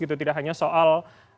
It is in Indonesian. tidak hanya soal